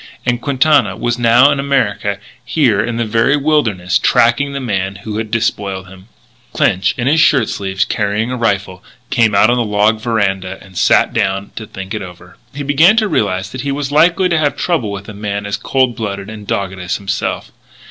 And Quintana was now in America, here in this very wilderness, tracking the man who had despoiled him. Clinch, in his shirt sleeves, carrying a rifle, came out on the log veranda and sat down to think it over. He began to realise that he was likely to have trouble with a man as cold blooded and as dogged as himself.